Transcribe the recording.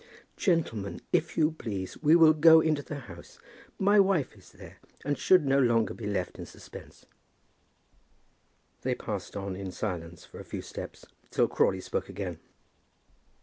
Gentlemen, if you please, we will go into the house; my wife is there, and should no longer be left in suspense." They passed on in silence for a few steps, till Crawley spoke again.